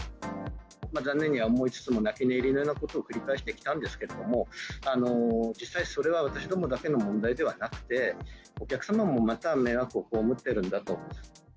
残念には思いつつも、泣き寝入りのようなことを繰り返してきたんですけれども、実際、それは私どもだけの問題ではなくて、お客様もまた迷惑を被ってるんだと。